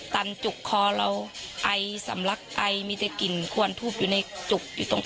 จุกคอเราไอสำลักไอมีแต่กลิ่นควรทูบอยู่ในจุกอยู่ตรงคอ